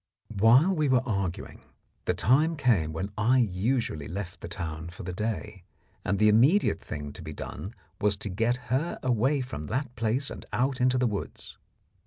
While we were arguing, the time came when I usually left the town for the day, and the immediate thing to be done was to get her away from that place and out into the woods.